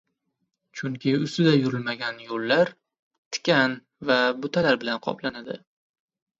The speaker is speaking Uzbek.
chunki ustida yurilmagan yo‘llar tikan va butalar bilan qoplanadi.